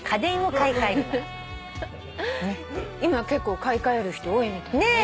今結構買い替える人多いみたいね。